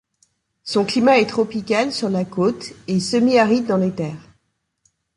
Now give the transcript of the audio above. Son climat est tropical sur la côte, et semi-aride dans les terres.